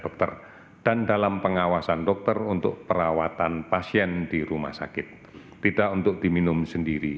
dokter dan dalam pengawasan dokter untuk perawatan pasien di rumah sakit tidak untuk diminum sendiri